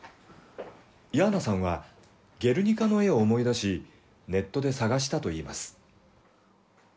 ヤーナさんはゲルニカの絵を思い出し、ネットで探したといいます。